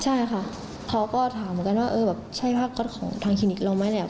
ใช่ค่ะเขาก็ถามเหมือนกันว่าใช่ผ้าก๊อสของทางคลินิกเราไหม